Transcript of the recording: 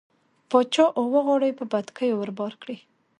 باچا اوه غاړۍ په بتکيو ور بار کړې.